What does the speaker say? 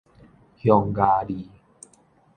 匈牙利